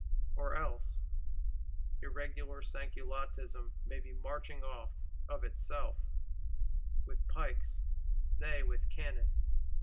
_ Or else, irregular Sansculottism may be marching off, of itself; with pikes, nay with cannon.